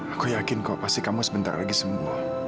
aku yakin kok pasti kamu sebentar lagi semua